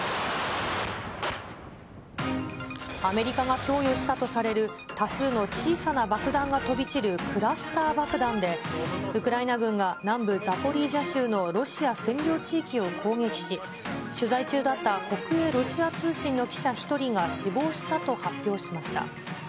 アメリカが供与したとされる多数の小さな爆弾が飛び散るクラスター爆弾で、ウクライナ軍が南部ザポリージャ州のロシア占領地域を攻撃し、取材中だった国営ロシア通信の記者１人が死亡したと発表しました。